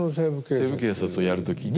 「西部警察」をやる時に。